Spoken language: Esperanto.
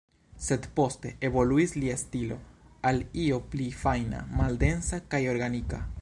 Sed poste, evoluis lia stilo, al io pli fajna, maldensa, kaj organika.